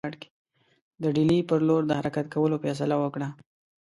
ده د ډهلي پر لور د حرکت کولو فیصله وکړه.